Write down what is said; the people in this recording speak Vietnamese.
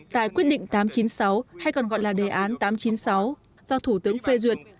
tại quyết định tám trăm chín mươi sáu hay còn gọi là đề án tám trăm chín mươi sáu do thủ tướng phê duyệt